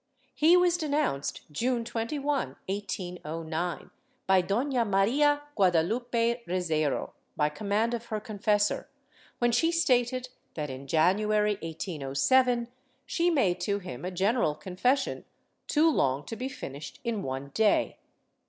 He was denounced, June 21, 1809, by Dofia Maria Guadalupe Rezeiro, by command of her confessor, when she stated that, in January, 1S07, she made to him a general confession, too long to be finished in one day.